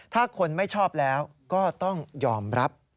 ถ้าคนไม่ชอบแล้วก็ต้องยอมรับ